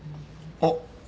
あっ。